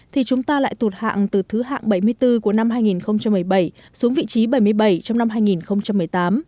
thì chúng ta lại tụt hạng từ thứ hạng bảy mươi bốn của năm hai nghìn một mươi bảy xuống vị trí bảy mươi bảy trong năm hai nghìn một mươi tám